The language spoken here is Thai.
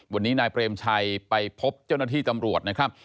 วันนี้นายเปรมชัยไปพบเจ้าหน้าที่ตำรวจนะครับ